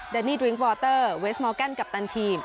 นี่ดริ้งวอเตอร์เวสมอร์แกนกัปตันทีม